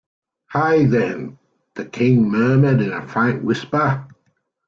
‘Hay, then,’ the King murmured in a faint whisper.